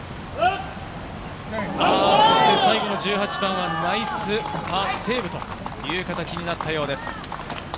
そして最後の１８番はナイスパーセーブという形になったようです。